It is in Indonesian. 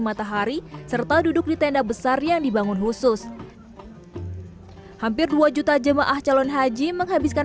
matahari serta duduk di tenda besar yang dibangun khusus hampir dua juta jemaah calon haji menghabiskan